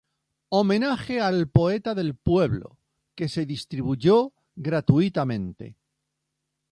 Homenaje al poeta del pueblo", que se distribuyó gratuitamente.